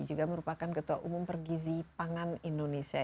juga merupakan ketua umum pergizi pangan indonesia